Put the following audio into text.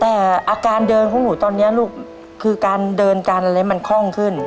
แต่อาการเดินของหนูตอนนี้ลูกคือการเดินการอะไรให้มันคล่องขึ้น